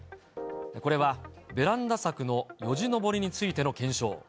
これは、ベランダ柵のよじ登りについての検証。